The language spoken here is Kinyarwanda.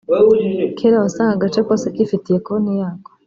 kera wasangaga agace kose kifitiye konti yako